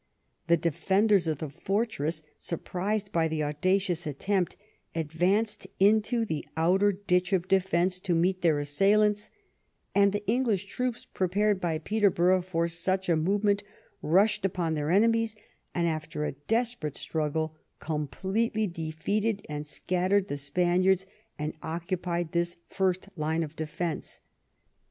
The defenders of the fortress, surprised by the audacious attempt, advanced into the outer ditch of defence to meet their assailants, and the English troops, prepared by Peterborough for such a move ment, rushed upon their enemies, and after a des perate struggle completely defeated and scattered the Spaniards, and occupied this first line of defence.